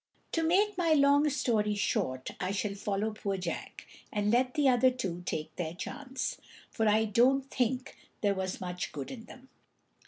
To make my long story short, I shall follow poor Jack, and let the other two take their chance, for I don't think there was much good in them.